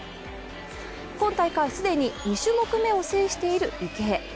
今大会既に２種目めを制している池江。